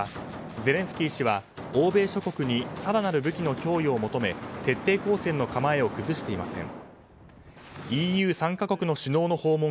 ゼレンスキー氏は欧米諸国に更なる武器の供与を求め徹底抗戦の構えを崩していません。